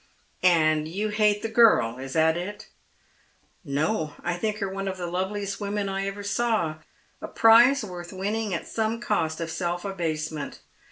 " And you hate the girl. Is that it ?"" No. I think her one of the loveliest women I ever saw ; a prize worth winning at some cost of self abasement.